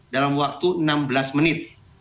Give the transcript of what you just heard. dalam waktu enam belas menit